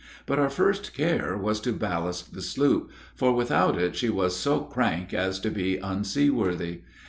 But our first care was to ballast the sloop, for without it she was so crank as to be unseaworthy.